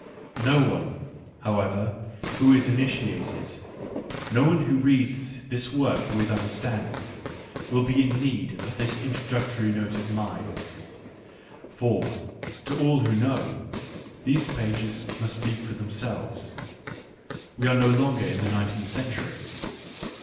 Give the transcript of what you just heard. Noone, however, who is initiated, no onewho reads this work with understanding, will be in need of this introductory note of mine ; for, to all who know, these pages must speak for themselves. We are no longer in the nineteenth century.